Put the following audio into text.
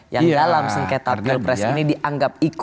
yang dalam sengketa pilpres ini